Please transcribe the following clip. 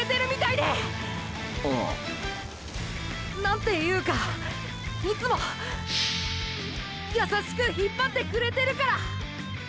何ていうかいつもーー優しく引っぱってくれてるから！